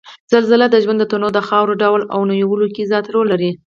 زلزلې د ژوند تنوع او د خاورو ډول او نويولو کې زیات رول لري